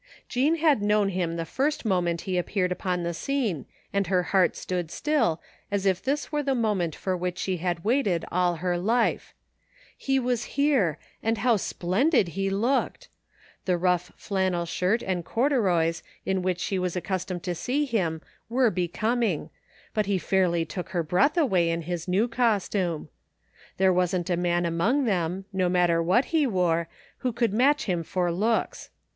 Jean had known him the first moment he appeared upon the scene and her heart stood still, as if this were tihe moment for which she had waited all her life. He was here, and how splendid he looked ! The rough flannel shirt and corduroys in which she was accus tomed to see him were becoming, but he fairly took her breath away in his new costume. There wasn't a man among them, no matter what he wore, who could match him for looks.